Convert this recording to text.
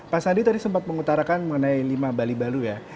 pak sandi tadi sempat mengutarakan mengenai lima bali balu ya